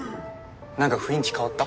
なんか雰囲気変わった？